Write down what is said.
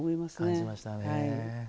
感じましたね。